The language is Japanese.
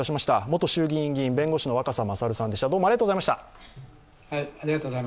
元衆議院議員、弁護士の若狭勝さんでした。